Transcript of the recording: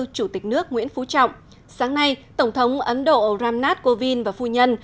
chủ tịch nước nguyễn phú trọng sáng nay tổng thống ấn độ ram nath kovind và phu nhân